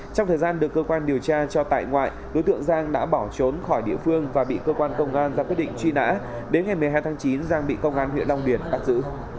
trong thời gian được cơ quan điều tra cho tại ngoại đối tượng giang đã bỏ trốn khỏi địa phương và bị cơ quan công an ra quyết định truy nã đến ngày một mươi hai tháng chín giang bị công an huyện long điền bắt giữ